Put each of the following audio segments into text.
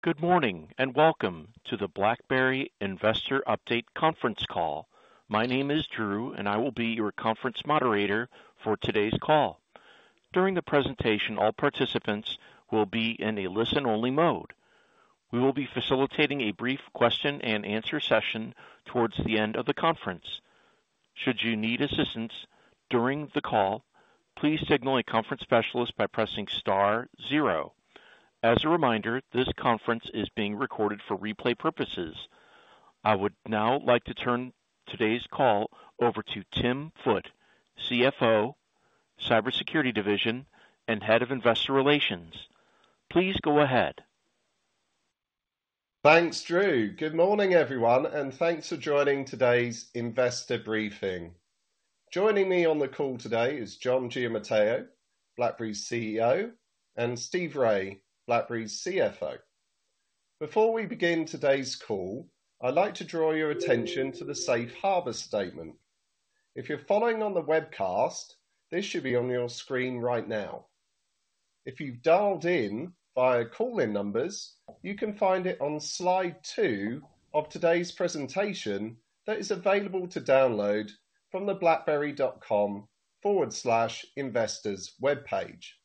Good morning and welcome to the BlackBerry Investor Update conference call. My name is Drew, and I will be your conference moderator for today's call. During the presentation, all participants will be in a listen-only mode. We will be facilitating a brief question-and-answer session towards the end of the conference. Should you need assistance during the call, please signal a conference specialist by pressing star zero. As a reminder, this conference is being recorded for replay purposes. I would now like to turn today's call over to Tim Foote, CFO, Cybersecurity division, and Head of Investor Relations. Please go ahead. Thanks, Drew. Good morning, everyone, and thanks for joining today's investor briefing. Joining me on the call today is John Giamatteo, BlackBerry's CEO, and Steve Rai, BlackBerry's CFO. Before we begin today's call, I'd like to draw your attention to the Safe Harbor Statement. If you're following on the webcast, this should be on your screen right now. If you've dialed in via call-in numbers, you can find it on slide two of today's presentation that is available to download from the BlackBerry.com/investors web page.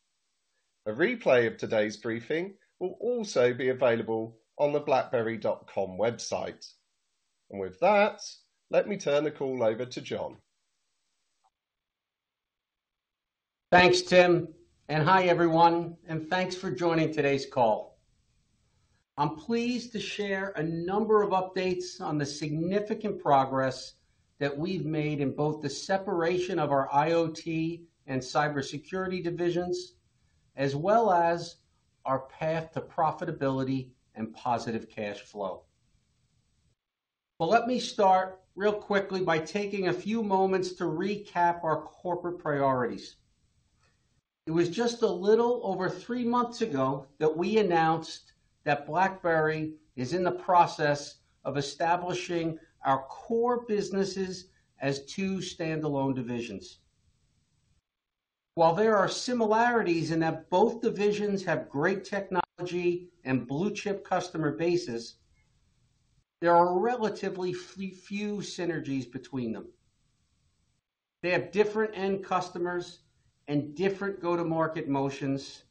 A replay of today's briefing will also be available on the BlackBerry.com website. With that, let me turn the call over to John. Thanks, Tim. And hi, everyone, and thanks for joining today's call. I'm pleased to share a number of updates on the significant progress that we've made in both the separation of our IoT and cybersecurity divisions, as well as our path to profitability and positive cash flow. Well, let me start real quickly by taking a few moments to recap our corporate priorities. It was just a little over three months ago that we announced that BlackBerry is in the process of establishing our core businesses as two standalone divisions. While there are similarities in that both divisions have great technology and blue-chip customer bases, there are relatively few synergies between them. They have different end customers and different go-to-market motions,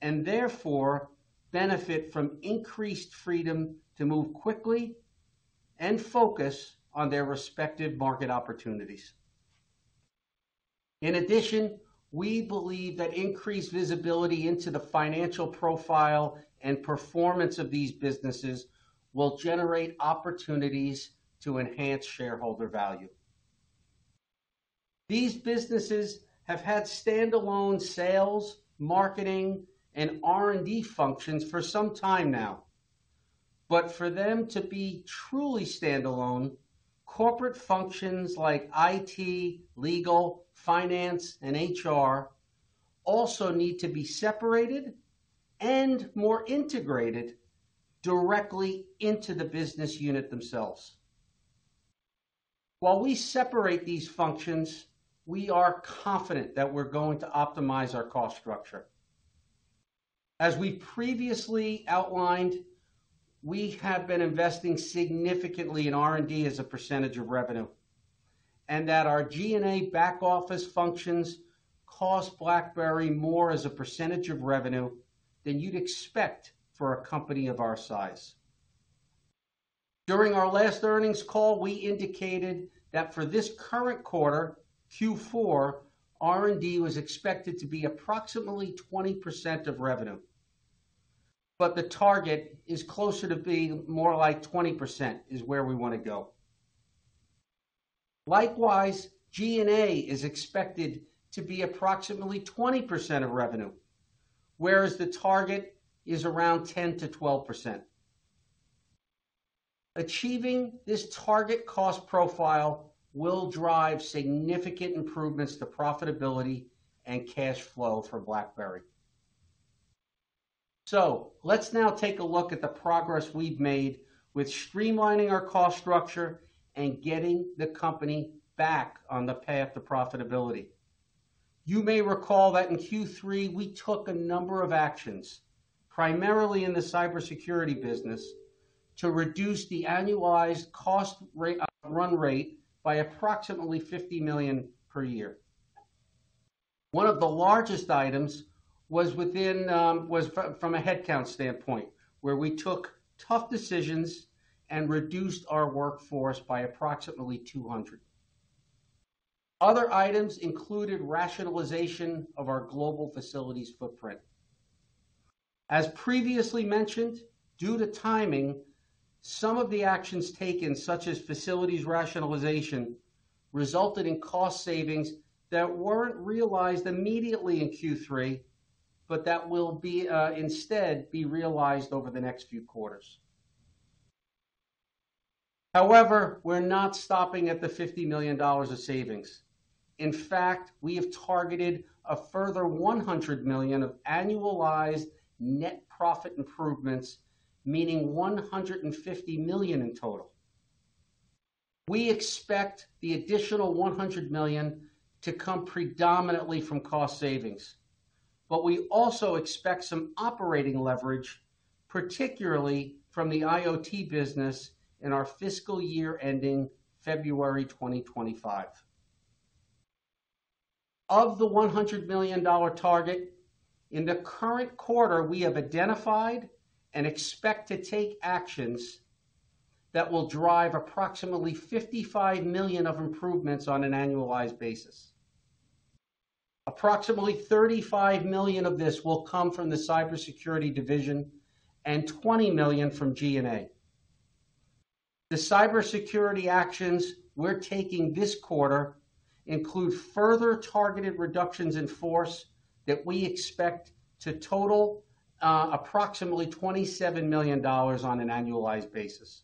and therefore benefit from increased freedom to move quickly and focus on their respective market opportunities. In addition, we believe that increased visibility into the financial profile and performance of these businesses will generate opportunities to enhance shareholder value. These businesses have had standalone sales, marketing, and R&D functions for some time now. But for them to be truly standalone, corporate functions like IT, legal, finance, and HR also need to be separated and more integrated directly into the business unit themselves. While we separate these functions, we are confident that we're going to optimize our cost structure. As we previously outlined, we have been investing significantly in R&D as a percentage of revenue, and that our G&A back-office functions cost BlackBerry more as a percentage of revenue than you'd expect for a company of our size. During our last earnings call, we indicated that for this current quarter, Q4, R&D was expected to be approximately 20% of revenue. But the target is closer to being more like 20% is where we want to go. Likewise, G&A is expected to be approximately 20% of revenue, whereas the target is around 10%-12%. Achieving this target cost profile will drive significant improvements to profitability and cash flow for BlackBerry. So, let's now take a look at the progress we've made with streamlining our cost structure and getting the company back on the path to profitability. You may recall that in Q3 we took a number of actions, primarily in the cybersecurity business, to reduce the annualized cost run rate by approximately $50 million per year. One of the largest items was from a headcount standpoint, where we took tough decisions and reduced our workforce by approximately 200. Other items included rationalization of our global facilities footprint. As previously mentioned, due to timing, some of the actions taken, such as facilities rationalization, resulted in cost savings that weren't realized immediately in Q3, but that will instead be realized over the next few quarters. However, we're not stopping at the $50 million of savings. In fact, we have targeted a further $100 million of annualized net profit improvements, meaning $150 million in total. We expect the additional $100 million to come predominantly from cost savings, but we also expect some operating leverage, particularly from the IoT business in our fiscal year ending February 2025. Of the $100 million target, in the current quarter we have identified and expect to take actions that will drive approximately $55 million of improvements on an annualized basis. Approximately $35 million of this will come from the Cybersecurity division and $20 million from G&A. The cybersecurity actions we're taking this quarter include further targeted reductions in force that we expect to total approximately $27 million on an annualized basis.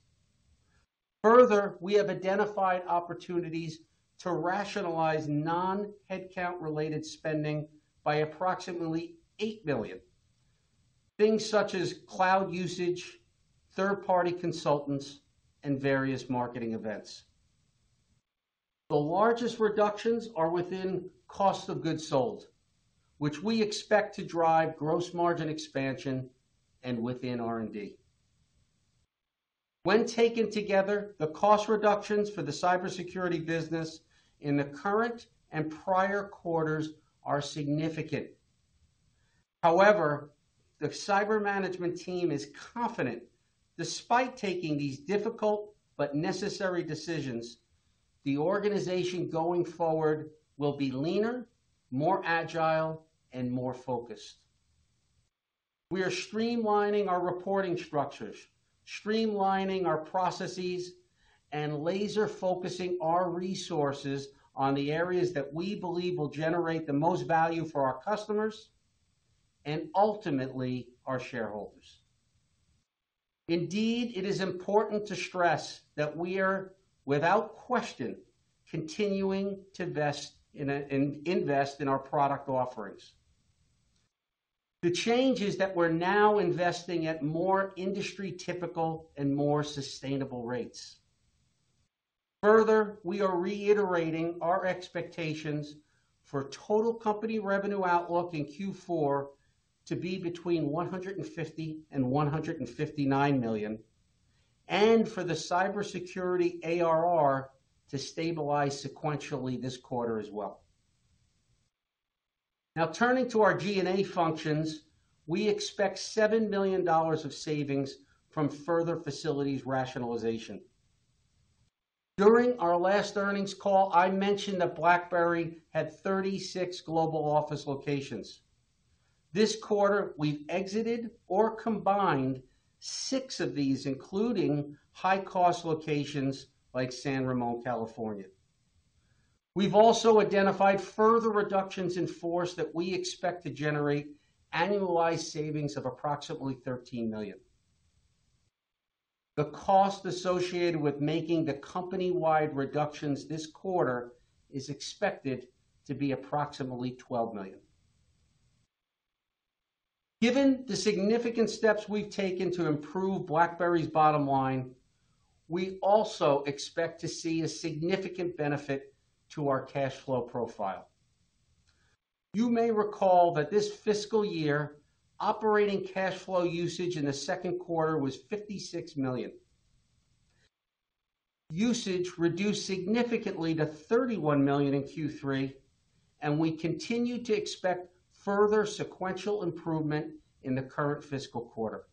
Further, we have identified opportunities to rationalize non-headcount-related spending by approximately $8 million, things such as cloud usage, third-party consultants, and various marketing events. The largest reductions are within cost of goods sold, which we expect to drive gross margin expansion and within R&D. When taken together, the cost reductions for the cybersecurity business in the current and prior quarters are significant. However, the cyber management team is confident, despite taking these difficult but necessary decisions, the organization going forward will be leaner, more agile, and more focused. We are streamlining our reporting structures, streamlining our processes, and laser-focusing our resources on the areas that we believe will generate the most value for our customers and ultimately our shareholders. Indeed, it is important to stress that we are, without question, continuing to invest in our product offerings. The change is that we're now investing at more industry-typical and more sustainable rates. Further, we are reiterating our expectations for total company revenue outlook in Q4 to be between $150 and $159 million, and for the Cybersecurity ARR to stabilize sequentially this quarter as well. Now, turning to our G&A functions, we expect $7 million of savings from further facilities rationalization. During our last earnings call, I mentioned that BlackBerry had 36 global office locations. This quarter, we've exited or combined six of these, including high-cost locations like San Ramon, California. We've also identified further reductions in force that we expect to generate annualized savings of approximately $13 million. The cost associated with making the company-wide reductions this quarter is expected to be approximately $12 million. Given the significant steps we've taken to improve BlackBerry's bottom line, we also expect to see a significant benefit to our cash flow profile. You may recall that this fiscal year, operating cash flow usage in the Q2 was $56 million. Usage reduced significantly to $31 million in Q3, and we continue to expect further sequential improvement in the current fiscal quarter.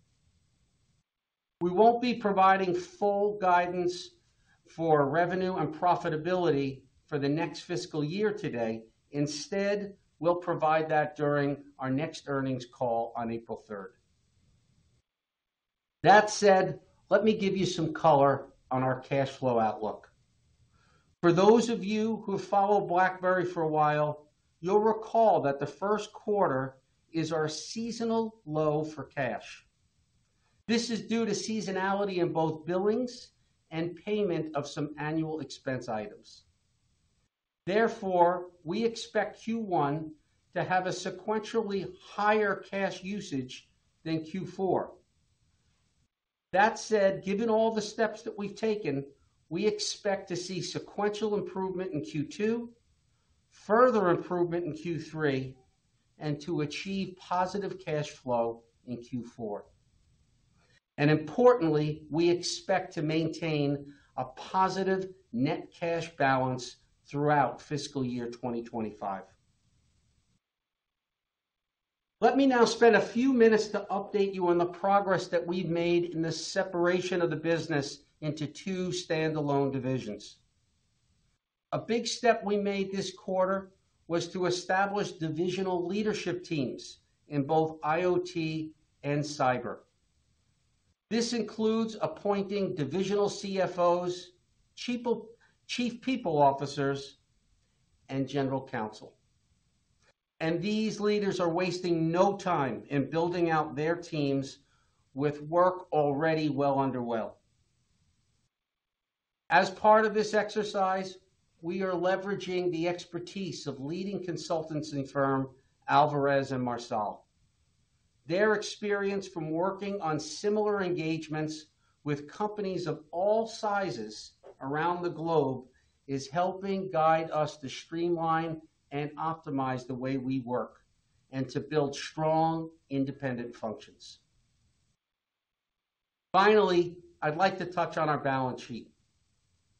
We won't be providing full guidance for revenue and profitability for the next fiscal year today. Instead, we'll provide that during our next earnings call on April 3rd. That said, let me give you some color on our cash flow outlook. For those of you who have followed BlackBerry for a while, you'll recall that the Q1 is our seasonal low for cash. This is due to seasonality in both billings and payment of some annual expense items. Therefore, we expect Q1 to have a sequentially higher cash usage than Q4. That said, given all the steps that we've taken, we expect to see sequential improvement in Q2, further improvement in Q3, and to achieve positive cash flow in Q4. And importantly, we expect to maintain a positive net cash balance throughout fiscal year 2025. Let me now spend a few minutes to update you on the progress that we've made in the separation of the business into two standalone divisions. A big step we made this quarter was to establish divisional leadership teams in both IoT and cyber. This includes appointing divisional CFOs, Chief People Officers, and General Counsel. And these leaders are wasting no time in building out their teams with work already well underway. As part of this exercise, we are leveraging the expertise of leading consultants in firm Alvarez & Marsal. Their experience from working on similar engagements with companies of all sizes around the globe is helping guide us to streamline and optimize the way we work and to build strong, independent functions. Finally, I'd like to touch on our balance sheet.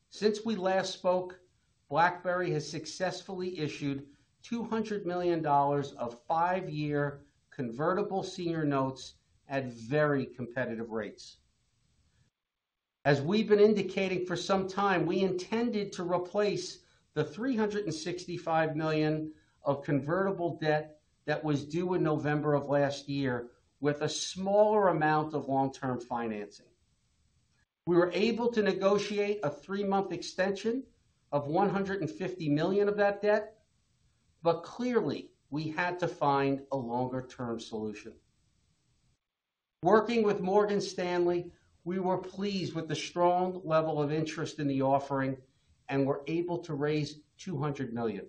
Since we last spoke, BlackBerry has successfully issued $200 million of five-year Convertible Senior Notes at very competitive rates. As we've been indicating for some time, we intended to replace the $365 million of convertible debt that was due in November of last year with a smaller amount of long-term financing. We were able to negotiate a three-month extension of $150 million of that debt, but clearly, we had to find a longer-term solution. Working with Morgan Stanley, we were pleased with the strong level of interest in the offering and were able to raise $200 million.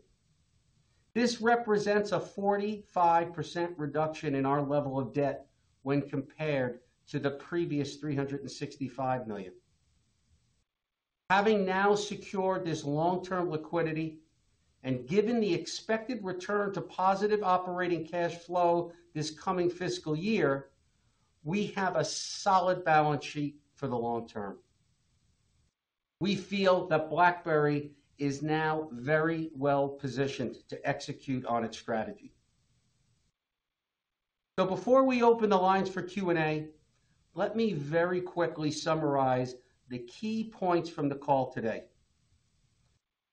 This represents a 45% reduction in our level of debt when compared to the previous $365 million. Having now secured this long-term liquidity and given the expected return to positive operating cash flow this coming fiscal year, we have a solid balance sheet for the long term. We feel that BlackBerry is now very well positioned to execute on its strategy. So before we open the lines for Q&A, let me very quickly summarize the key points from the call today.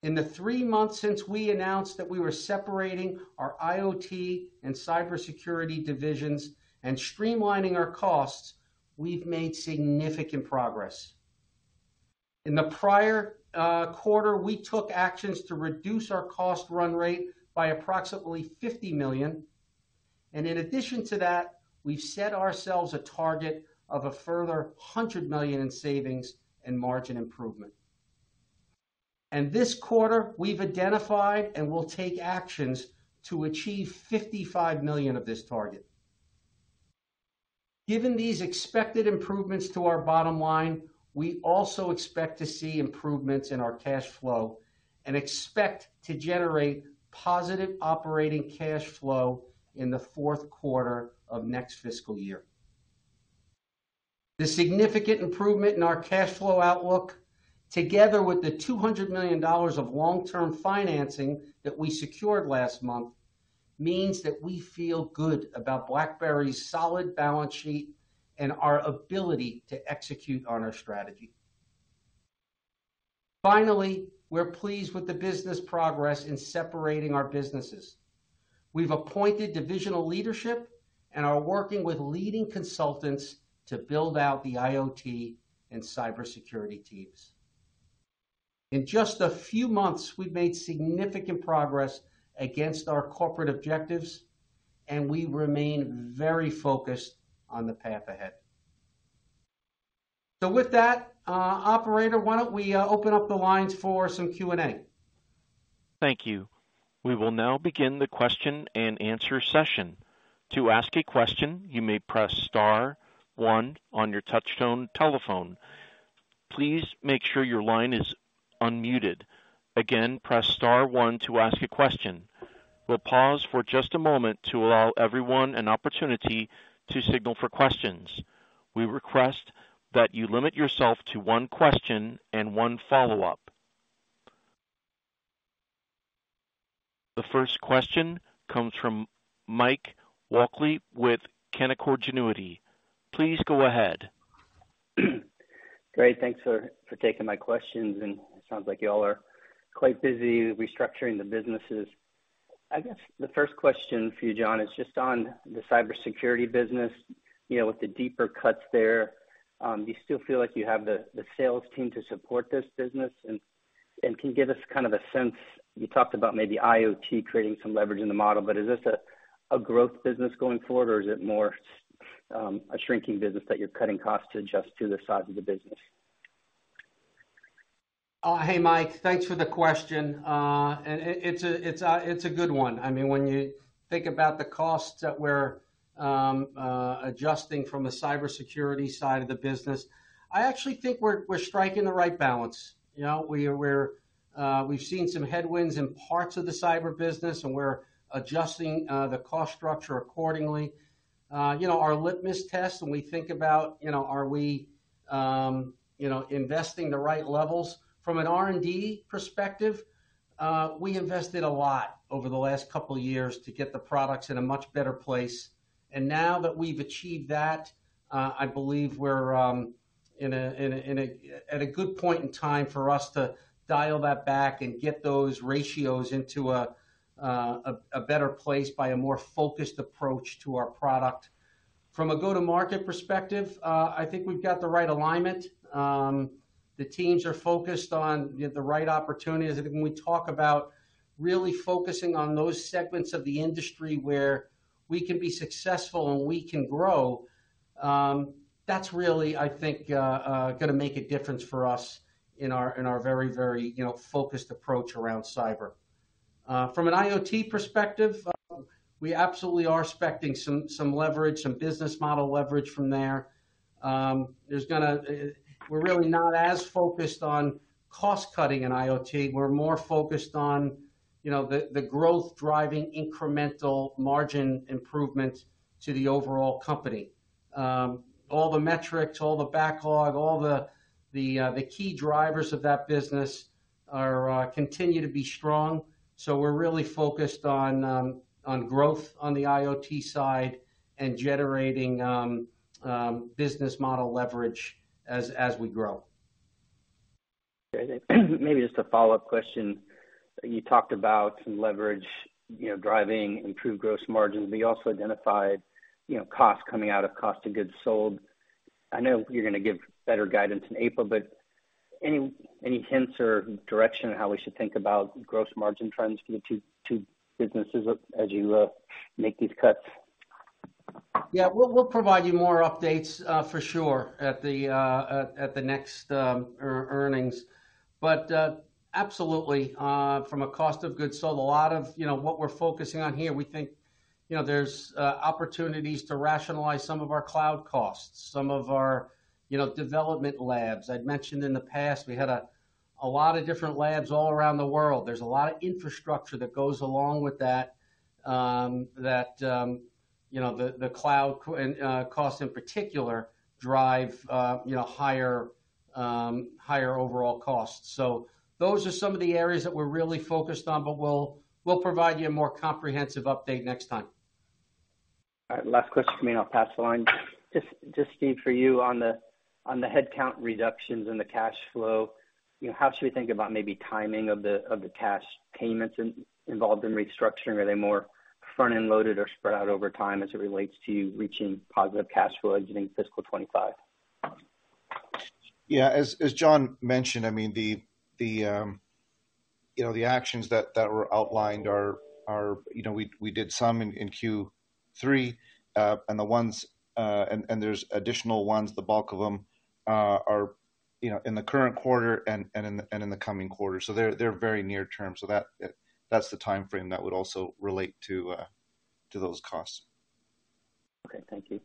In the three months since we announced that we were separating our IoT and cybersecurity divisions and streamlining our costs, we've made significant progress. In the prior quarter, we took actions to reduce our cost run rate by approximately $50 million. In addition to that, we've set ourselves a target of a further $100 million in savings and margin improvement. This quarter, we've identified and will take actions to achieve $55 million of this target. Given these expected improvements to our bottom line, we also expect to see improvements in our cash flow and expect to generate positive operating cash flow in the Q4 of next fiscal year. The significant improvement in our cash flow outlook, together with the $200 million of long-term financing that we secured last month, means that we feel good about BlackBerry's solid balance sheet and our ability to execute on our strategy. Finally, we're pleased with the business progress in separating our businesses. We've appointed divisional leadership and are working with leading consultants to build out the IoT and cybersecurity teams. In just a few months, we've made significant progress against our corporate objectives, and we remain very focused on the path ahead. So with that, operator, why don't we open up the lines for some Q&A? Thank you. We will now begin the question-and-answer session. To ask a question, you may press star one on your touch-tone telephone. Please make sure your line is unmuted. Again, press star one to ask a question. We'll pause for just a moment to allow everyone an opportunity to signal for questions. We request that you limit yourself to one question and one follow-up. The first question comes from Mike Walkley with Canaccord Genuity. Please go ahead. Great. Thanks for taking my questions. And it sounds like y'all are quite busy restructuring the businesses. I guess the first question for you, John, is just on the cybersecurity business with the deeper cuts there. Do you still feel like you have the sales team to support this business and can give us kind of a sense? You talked about maybe IoT creating some leverage in the model, but is this a growth business going forward, or is it more a shrinking business that you're cutting costs to adjust to the size of the business? Hey, Mike. Thanks for the question. It's a good one. I mean, when you think about the costs that we're adjusting from the cybersecurity side of the business, I actually think we're striking the right balance. We've seen some headwinds in parts of the cyber business, and we're adjusting the cost structure accordingly. Our litmus test, when we think about are we investing the right levels, from an R&D perspective, we invested a lot over the last couple of years to get the products in a much better place. And now that we've achieved that, I believe we're at a good point in time for us to dial that back and get those ratios into a better place by a more focused approach to our product. From a go-to-market perspective, I think we've got the right alignment. The teams are focused on the right opportunities. I think when we talk about really focusing on those segments of the industry where we can be successful and we can grow, that's really, I think, going to make a difference for us in our very, very focused approach around cyber. From an IoT perspective, we absolutely are expecting some leverage, some business model leverage from there. We're really not as focused on cost-cutting in IoT. We're more focused on the growth-driving incremental margin improvement to the overall company. All the metrics, all the backlog, all the key drivers of that business continue to be strong. So we're really focused on growth on the IoT side and generating business model leverage as we grow. Maybe just a follow-up question. You talked about leverage driving improved gross margins. We also identified costs coming out of cost of goods sold. I know you're going to give better guidance in April, but any hints or direction on how we should think about gross margin trends for the two businesses as you make these cuts? Yeah. We'll provide you more updates for sure at the next earnings. But absolutely, from a cost of goods sold, a lot of what we're focusing on here, we think there's opportunities to rationalize some of our cloud costs, some of our development labs. I'd mentioned in the past, we had a lot of different labs all around the world. There's a lot of infrastructure that goes along with that, that the cloud costs in particular drive higher overall costs. So those are some of the areas that we're really focused on, but we'll provide you a more comprehensive update next time. All right. Last question for me, and I'll pass the line. Just, Steve, for you on the headcount reductions and the cash flow, how should we think about maybe timing of the cash payments involved in restructuring? Are they more front-end loaded or spread out over time as it relates to you reaching positive cash flow exiting fiscal 2025? Yeah. As John mentioned, I mean, the actions that were outlined are we did some in Q3, and the ones and there's additional ones, the bulk of them are in the current quarter and in the coming quarter. So, they're very near term. So that's the timeframe that would also relate to those costs. Okay. Thank you.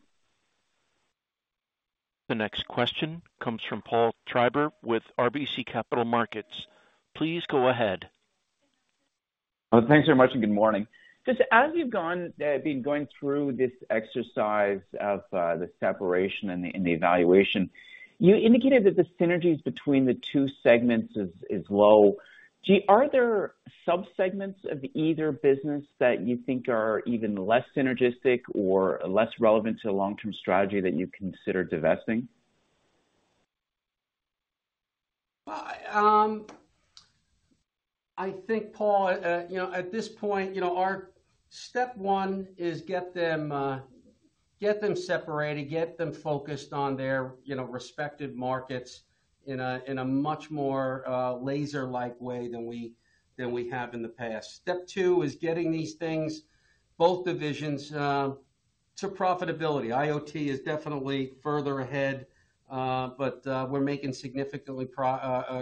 The next question comes from Paul Treiber with RBC Capital Markets. Please go ahead. Thanks very much, and good morning. Just as you've been going through this exercise of the separation and the evaluation, you indicated that the synergies between the two segments is low. Are there subsegments of either business that you think are even less synergistic or less relevant to a long-term strategy that you consider divesting? I think, Paul, at this point, our step one is get them separated, get them focused on their respective markets in a much more laser-like way than we have in the past. Step two is getting these things, both divisions, to profitability. IoT is definitely further ahead, but we're making significantly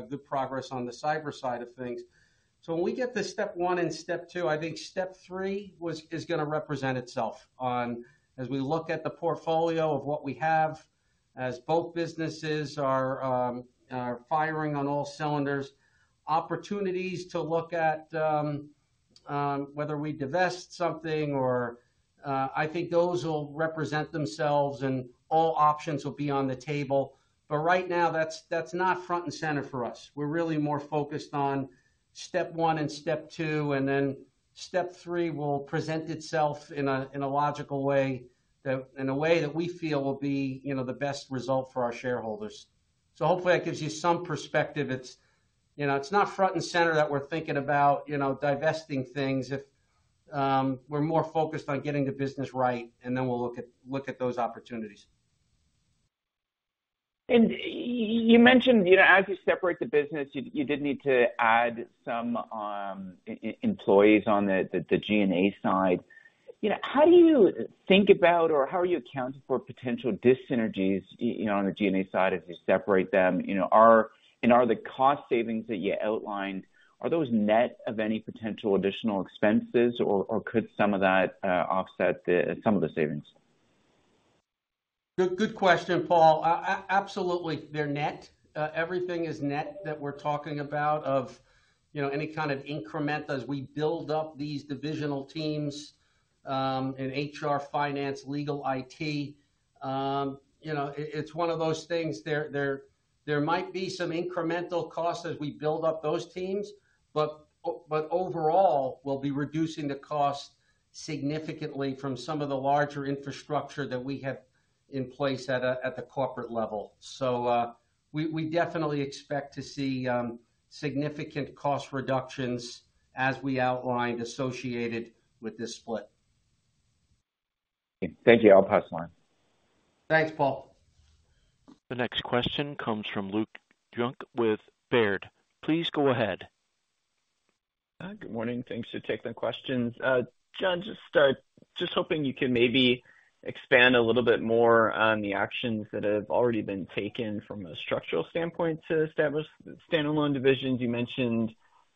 good progress on the cyber side of things. So when we get to step one and step two, I think step three is going to represent itself as we look at the portfolio of what we have, as both businesses are firing on all cylinders, opportunities to look at whether we divest something, or I think those will represent themselves, and all options will be on the table. But right now, that's not front and center for us. We're really more focused on step one and step two, and then step three will present itself in a logical way, in a way that we feel will be the best result for our shareholders. So hopefully, that gives you some perspective. It's not front and center that we're thinking about divesting things. We're more focused on getting the business right, and then we'll look at those opportunities. And you mentioned as you separate the business, you did need to add some employees on the G&A side. How do you think about or how are you accounting for potential dissynergies on the G&A side as you separate them? And are the cost savings that you outlined, are those net of any potential additional expenses, or could some of that offset some of the savings? Good question, Paul. Absolutely, they're net. Everything is net that we're talking about of any kind of increment as we build up these divisional teams in HR, finance, legal, IT. It's one of those things. There might be some incremental costs as we build up those teams, but overall, we'll be reducing the cost significantly from some of the larger infrastructure that we have in place at the corporate level. So, we definitely expect to see significant cost reductions as we outlined associated with this split. Thank you. I'll pass the line. Thanks, Paul. The next question comes from Luke Junk with Baird. Please go ahead. Good morning. Thanks for taking the questions. John, just hoping you can maybe expand a little bit more on the actions that have already been taken from a structural standpoint to establish standalone divisions. You mentioned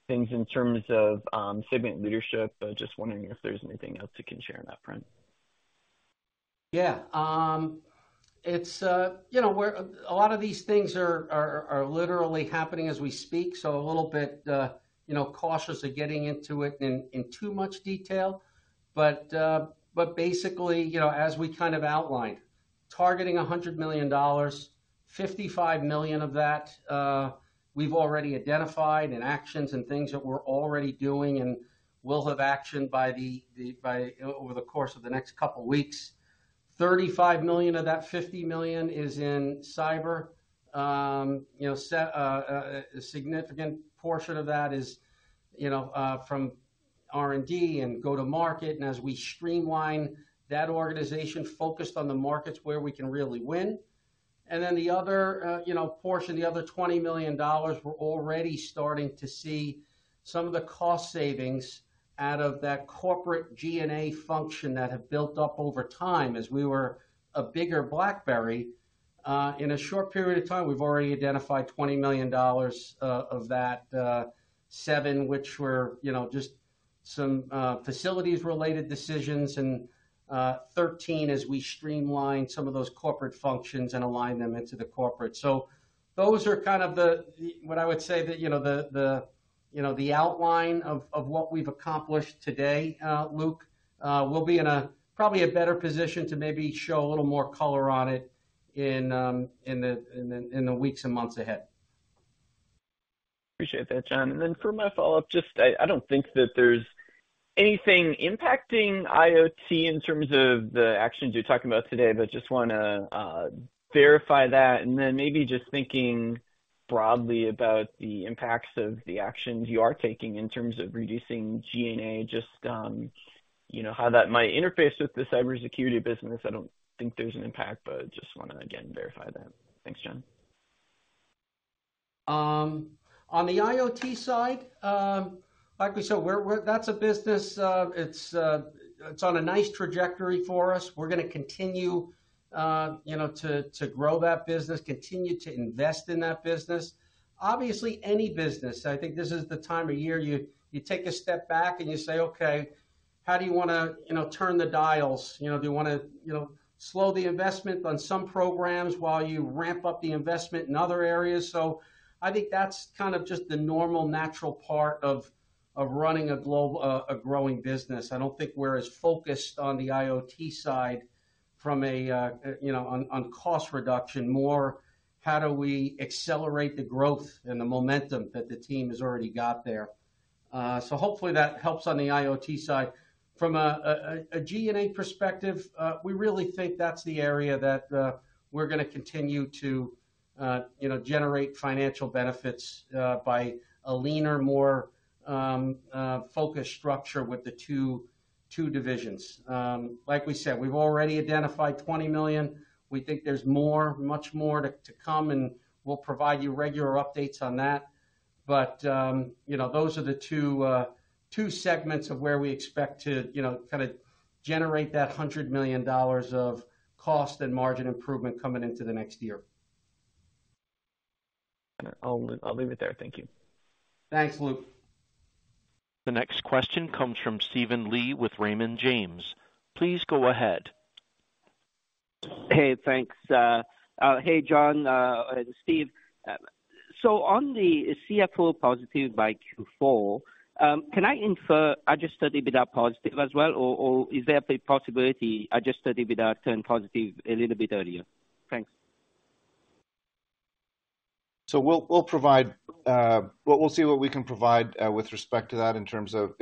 things in terms of segment leadership, but just wondering if there's anything else you can share on that front. Yeah. A lot of these things are literally happening as we speak, so a little bit cautious of getting into it in too much detail. But basically, as we kind of outlined, targeting $100 million, $55 million of that, we've already identified in actions and things that we're already doing and will have actioned by over the course of the next couple of weeks. $35 million of that, $50 million, is in cyber. A significant portion of that is from R&D and go-to-market, and as we streamline that organization focused on the markets where we can really win. And then the other portion, the other $20 million, we're already starting to see some of the cost savings out of that corporate G&A function that have built up over time as we were a bigger BlackBerry. In a short period of time, we've already identified $20 million of that, $7 million, which were just some facilities-related decisions, and $13 million as we streamline some of those corporate functions and align them into the corporate. So those are kind of what I would say, the outline of what we've accomplished today, Luke. We'll be in probably a better position to maybe show a little more color on it in the weeks and months ahead. Appreciate that, John. And then for my follow-up, just I don't think that there's anything impacting IoT in terms of the actions you're talking about today, but just want to verify that. Then maybe just thinking broadly about the impacts of the actions you are taking in terms of reducing G&A, just how that might interface with the Cybersecurity business. I don't think there's an impact, but just want to, again, verify that. Thanks, John. On the IoT side, like we said, that's a business. It's on a nice trajectory for us. We're going to continue to grow that business, continue to invest in that business. Obviously, any business, I think this is the time of year you take a step back and you say, "Okay, how do you want to turn the dials? Do you want to slow the investment on some programs while you ramp up the investment in other areas?" I think that's kind of just the normal, natural part of running a growing business. I don't think we're as focused on the IoT side from a on cost reduction, more how do we accelerate the growth and the momentum that the team has already got there. So hopefully, that helps on the IoT side. From a G&A perspective, we really think that's the area that we're going to continue to generate financial benefits by a leaner, more focused structure with the two divisions. Like we said, we've already identified $20 million. We think there's more, much more to come, and we'll provide you regular updates on that. But those are the two segments of where we expect to kind of generate that $100 million of cost and margin improvement coming into the next year. I'll leave it there. Thank you. Thanks, Luke. The next question comes from Steven Li with Raymond James. Please go ahead. Hey, thanks. Hey, John and Steve. So, on the cash flow positive by Q4, can I infer adjusted EBITDA positive as well, or is there a possibility I just said EBITDA turned positive a little bit earlier? Thanks. So we'll see what we can provide with respect to that in terms of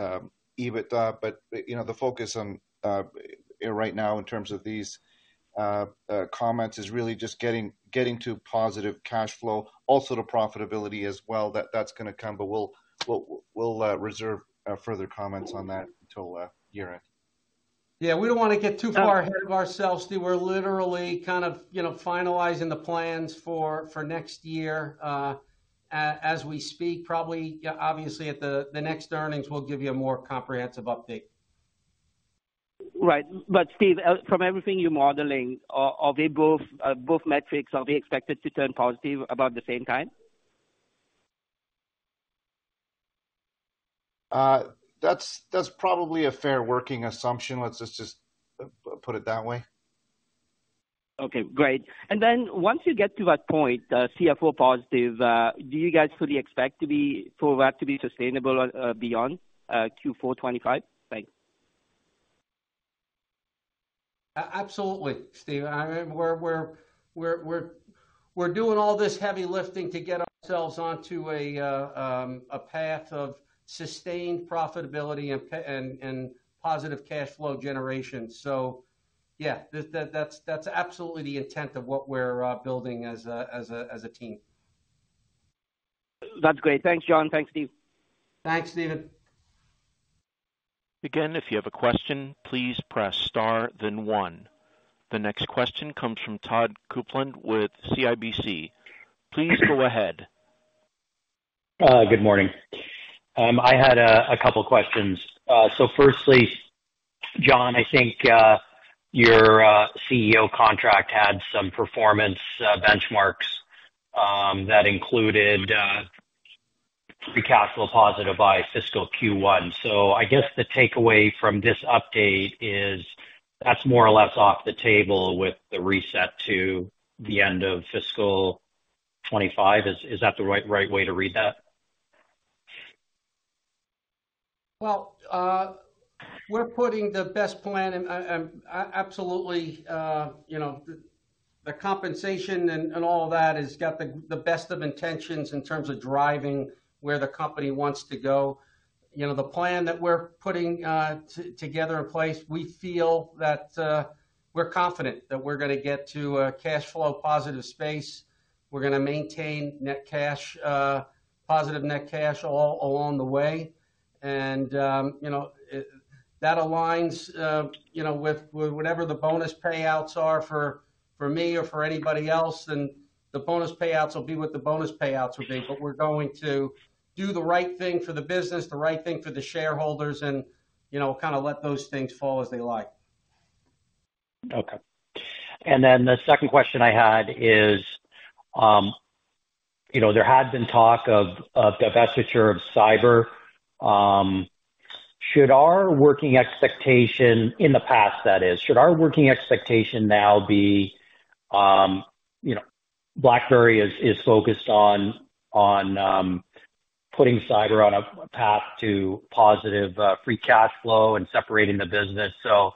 EBITDA. But the focus right now in terms of these comments is really just getting to positive cash flow, also to profitability as well. That's going to come, but we'll reserve further comments on that until year-end. Yeah. We don't want to get too far ahead of ourselves, Steve. We're literally kind of finalizing the plans for next year as we speak. Obviously, at the next earnings, we'll give you a more comprehensive update. Right. But Steve, from everything you're modeling, are both metrics expected to turn positive about the same time? That's probably a fair working assumption. Let's just put it that way. Okay. Great. And then once you get to that point, CFO positive, do you guys fully expect for that to be sustainable beyond Q4 2025? Thanks. Absolutely, Steve. We're doing all this heavy lifting to get ourselves onto a path of sustained profitability and positive cash flow generation. So yeah, that's absolutely the intent of what we're building as a team. That's great. Thanks, John. Thanks, Steve. Thanks, Steven. Again, if you have a question, please press star, then one. The next question comes from Todd Coupland with CIBC. Please go ahead. Good morning. I had a couple of questions. So firstly, John, I think your CEO contract had some performance benchmarks that included free cash flow positive by fiscal Q1. So I guess the takeaway from this update is that's more or less off the table with the reset to the end of fiscal 2025. Is that the right way to read that? Well, we're putting the best plan in absolutely, the compensation and all of that has got the best of intentions in terms of driving where the company wants to go. The plan that we're putting together in place, we feel that we're confident that we're going to get to a cash flow positive space. We're going to maintain net cash, positive net cash all along the way. And that aligns with whatever the bonus payouts are for me or for anybody else, then the bonus payouts will be what the bonus payouts will be. But we're going to do the right thing for the business, the right thing for the shareholders, and kind of let those things fall as they like. Okay. And then the second question I had is there had been talk of divestiture of cyber. Should our working expectation in the past, that is, should our working expectation now be BlackBerry is focused on putting cyber on a path to positive free cash flow and separating the business, so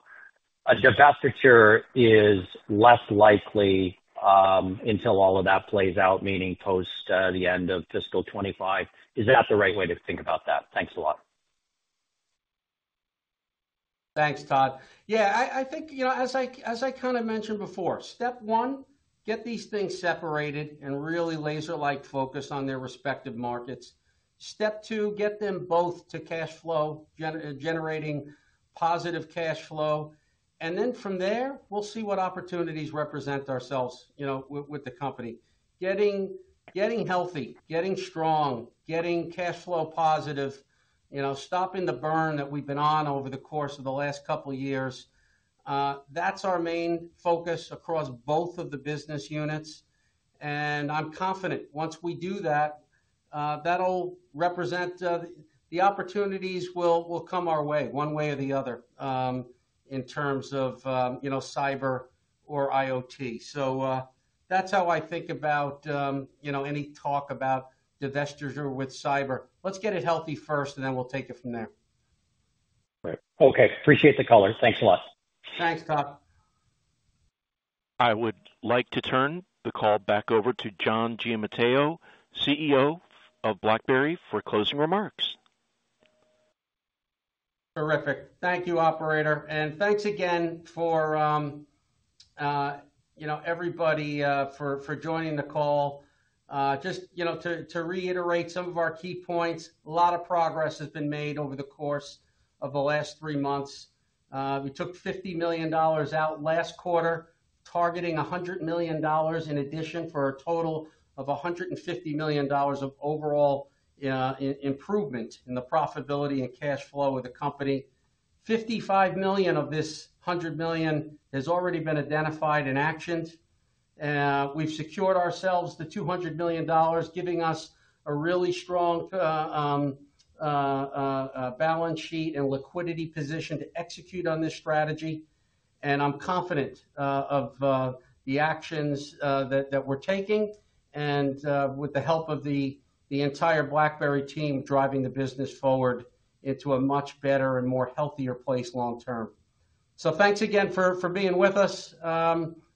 a divestiture is less likely until all of that plays out, meaning post the end of fiscal 2025? Is that the right way to think about that? Thanks a lot. Thanks, Todd. Yeah. I think as I kind of mentioned before, step one, get these things separated and really laser-like focus on their respective markets. Step two, get them both to cash flow, generating positive cash flow. And then from there, we'll see what opportunities represent ourselves with the company. Getting healthy, getting strong, getting cash flow positive, stopping the burn that we've been on over the course of the last couple of years, that's our main focus across both of the business units. And I'm confident once we do that, that'll represent the opportunities will come our way one way or the other in terms of cyber or IoT. So that's how I think about any talk about divestiture with cyber. Let's get it healthy first, and then we'll take it from there. Right. Okay. Appreciate the color. Thanks a lot. Thanks, Todd. I would like to turn the call back over to John Giamatteo, CEO of BlackBerry, for closing remarks. Terrific. Thank you, operator. And thanks again for everybody for joining the call. Just to reiterate some of our key points, a lot of progress has been made over the course of the last three months. We took $50 million out last quarter, targeting $100 million in addition for a total of $150 million of overall improvement in the profitability and cash flow of the company. $55 million of this $100 million has already been identified and actioned. We've secured ourselves the $200 million, giving us a really strong balance sheet and liquidity position to execute on this strategy. And I'm confident of the actions that we're taking and with the help of the entire BlackBerry team driving the business forward into a much better and more healthier place long term. So, thanks again for being with us.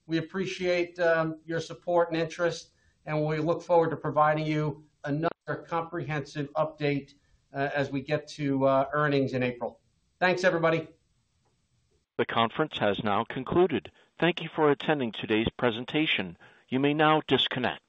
We appreciate your support and interest, and we look forward to providing you another comprehensive update as we get to earnings in April. Thanks, everybody. The conference has now concluded. Thank you for attending today's presentation. You may now disconnect.